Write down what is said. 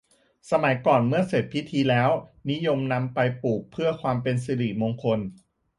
สมัยก่อนเมื่อเสร็จพิธีแล้วนิยมนำไปปลูกเพื่อความเป็นสิริมงคล